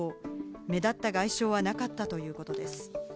目立った外傷はなかったということです。